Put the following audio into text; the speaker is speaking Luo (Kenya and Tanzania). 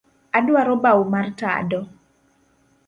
Aduaro bau mar tado